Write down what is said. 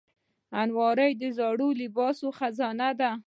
الماري د زوړ لباس خزانه ده